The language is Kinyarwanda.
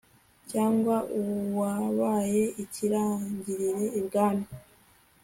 cyangwa uwabaye ikirangirire ibwami